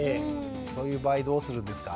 そういう場合どうするんですか？